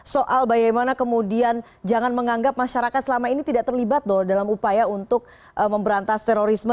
soal bagaimana kemudian jangan menganggap masyarakat selama ini tidak terlibat dalam upaya untuk memberantas terorisme